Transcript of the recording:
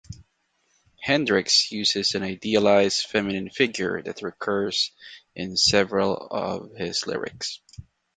Hendrix uses an idealized feminine figure that recurs in several of his lyrics.